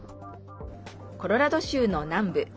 コロラド州の南部。